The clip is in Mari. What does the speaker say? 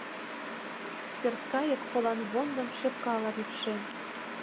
Пӧрткайык поланвондым шепкала рӱпшен.